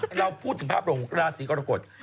เราพูดถึงภาพลงราศีกรกฎ